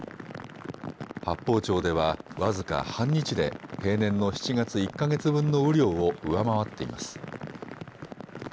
八峰町では僅か半日で平年の７月１か月分の雨量を上回っています。